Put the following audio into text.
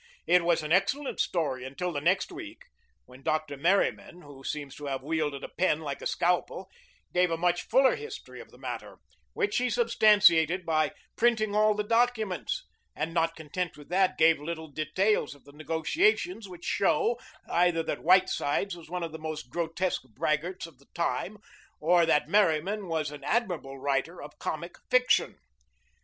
It was an excellent story until the next week, when Dr. Merryman, who seems to have wielded a pen like a scalpel, gave a much fuller history of the matter, which he substantiated by printing all the documents, and, not content with that, gave little details of the negotiations which show, either that Whitesides was one of the most grotesque braggarts of the time, or that Merryman was an admirable writer of comic fiction.